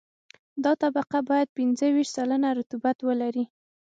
دا طبقه باید پنځه ویشت سلنه رطوبت ولري